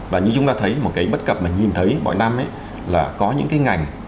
và như chúng ta thấy một cái bất cập mà nhìn thấy mỗi năm là có những cái ngành